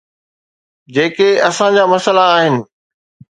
جيڪي اسان جا مسئلا آهن.